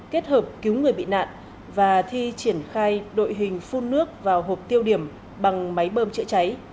kết hợp cứu người bị nạn và thi triển khai đội hình phun nước vào hộp tiêu điểm bằng máy bơm chữa cháy